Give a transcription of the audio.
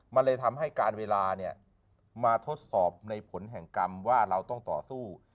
มันเลยทำให้การเวลาเนี่ยมาทดสอบในผลแห่งกรรมว่าเราต้องต่อสู้